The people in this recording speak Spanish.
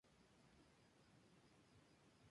Su obra más famosa fue el Estadio Olímpico de Berlín.